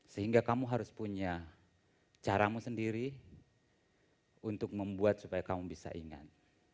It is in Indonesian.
sehingga kamu harus punya caramu sendiri untuk membuat supaya kamu bisa ingat